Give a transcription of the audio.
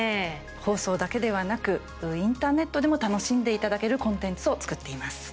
放送だけではなくインターネットでも楽しんでいただけるコンテンツを作っています。